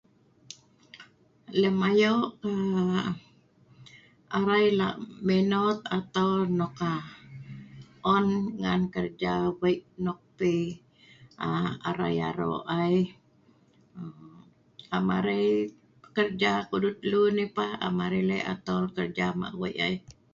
lem ayo aa arai lak menot atol nok aa..on ngan kerja wei' nok pi aa arai arok ai, am arai kerja ku'dut lun ai pah am arai lek atol kerja ma wei' ai.